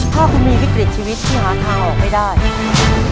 ถ้าคุณมีวิกฤตชีวิตที่หาทางออกไม่ได้อืม